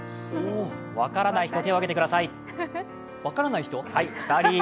分からない人、手を挙げてください２人。